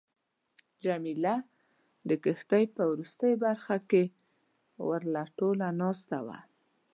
جميله د کښتۍ په وروستۍ برخه کې ورله ټوله ناسته وه.